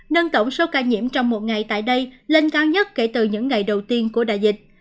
nâng tổng số ca nhiễm trong một ngày tại đây lên cao nhất kể từ những ngày đầu tiên của đại dịch